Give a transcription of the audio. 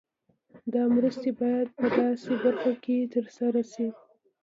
دا مرستې باید په داسې برخو کې تر سره شي.